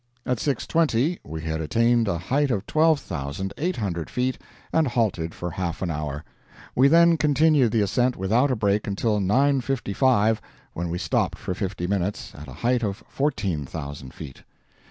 At six twenty we had attained a height of twelve thousand eight hundred feet, and halted for half an hour; we then continued the ascent without a break until nine fifty five, when we stopped for fifty minutes, at a height of fourteen thousand feet.